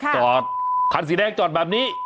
จอดคันสีแดงจอดแบบนี้